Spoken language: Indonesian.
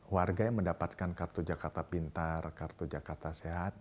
warga yang mendapatkan kartu jakarta pintar kartu jakarta sehat